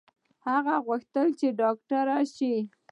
هغې غوښتل چې ډاکټره شي